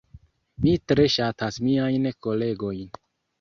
Mi tre ŝatas miajn kolegojn